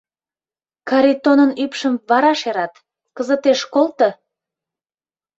Каритонын ӱпшым вара шерат, кызытеш колто...